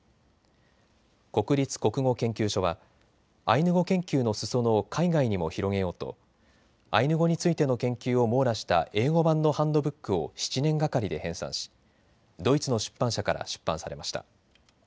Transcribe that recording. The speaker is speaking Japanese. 国立国語研究所はアイヌ語研究のすそ野を海外にも広げようとアイヌ語についての研究を網羅した英語版のハンドブックを７年がかりで編さんしドイツの出版社から出版されました。